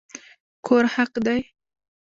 کور حق دی